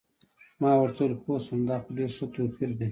ما ورته وویل: پوه شوم، دا خو ډېر ښه توپیر دی.